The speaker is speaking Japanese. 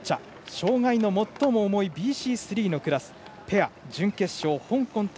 障がいの最も重いＢＣ３のクラス。ペア準決勝、香港対